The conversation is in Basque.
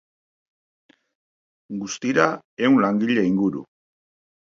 Guztira, ehun langile inguru.